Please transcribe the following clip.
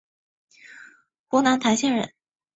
湖南澧县人。